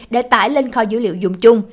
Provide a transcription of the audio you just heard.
để tải lên kho dữ liệu dùng chung